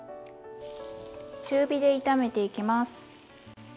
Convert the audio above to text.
中火で炒めていきます。